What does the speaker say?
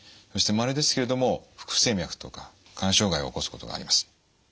そしてまれですけれども不整脈とか肝障害を起こすことがあります。